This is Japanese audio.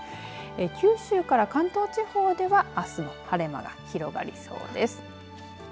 九州から関東地方ではあすは晴れ間が広がりそうです。